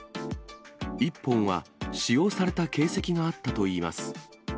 １本は使用された形跡があったといいます。